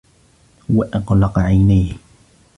هو أغلق عينيه.